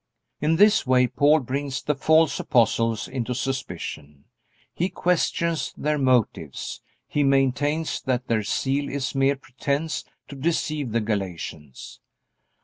In this way Paul brings the false apostles into suspicion. He questions their motives. He maintains that their zeal is mere pretense to deceive the Galatians.